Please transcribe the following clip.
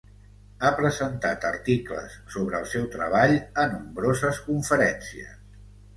Ha presentat articles sobre el seu treball a nombroses conferències.